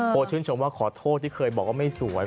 โพสต์ชื่นชมขอโทษที่เคยบอกว่าไม่สวย